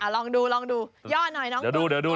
อ่าลองดูย่อหน่อยน้องคุณ